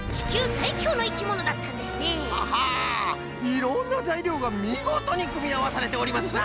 いろんなざいりょうがみごとにくみあわされておりますな。